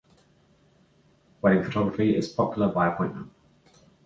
Wedding photography is popular by appointment.